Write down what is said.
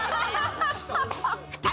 ２人